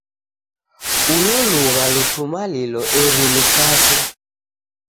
Ulo lugha lutumalilo eri lukate.